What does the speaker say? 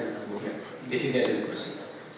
coba di sini ada di kursi